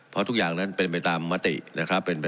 เพราะทุกอย่างนั้นเป็นไปตามมตินะครับ